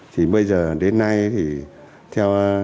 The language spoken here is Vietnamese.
thì bây giờ đến nay thì theo